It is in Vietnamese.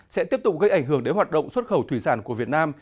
sẽ tiếp tục gây ảnh hưởng đến hoạt động xuất khẩu thủy sản của việt nam